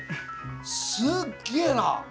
すっげえな！